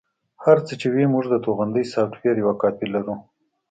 هر څه چې وي موږ د توغندي سافټویر یوه کاپي لرو